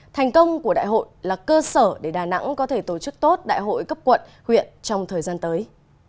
thành công của đại hội là cơ sở để đà nẵng có thể tổ chức tốt đại hội cấp quận huyện trong thời gian tới